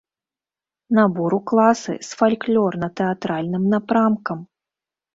Набор у класы з фальклорна-тэатральным напрамкам.